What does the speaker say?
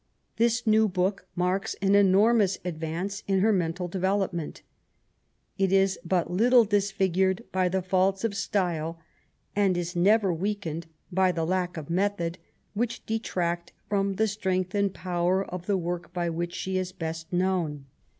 This new book marks an enormous advance in her mental development. It is but little disfigured by the faults of style, and is never weakened by the lack of method, which de tract from the strength and power of the work by which she is best known.